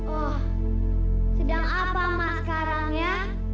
oh sedang apa mak sekarang ya